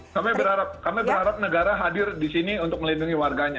kami berharap kami berharap negara hadir di sini untuk melindungi warganya